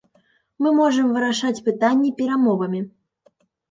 Мы можам вырашаць пытанні перамовамі.